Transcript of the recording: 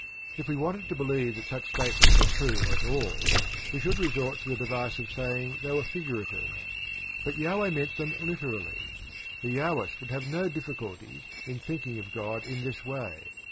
If we wanted to believe that such statements were true at all, we should resort to the device of saying they were figurative. But J. meant them literally. The Jahwist would have no difficulty in thinking of God in this way.